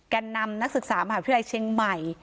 แก่นนำนักศึกษามหาวิทยาลัยเชียงใหม่